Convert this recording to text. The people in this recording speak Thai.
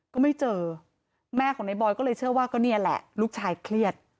ก็ไม่เจอแม่ของในบอยก็เลยเชื่อว่าก็นี่แหละลูกชายเครียด